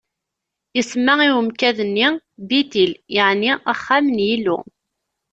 Isemma i umkad-nni Bitil, yeɛni Axxam n Yillu.